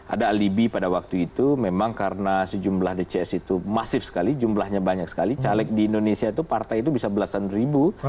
ada alibi pada waktu itu memang karena sejumlah dcs itu masif sekali jumlahnya banyak sekali caleg di indonesia itu partai itu bisa belasan ribu